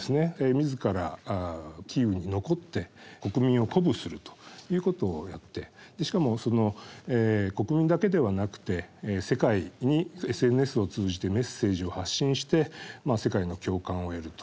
自らキーウに残って国民を鼓舞するということをやってしかも国民だけではなくて世界にＳＮＳを通じてメッセージを発信して世界の共感を得ると。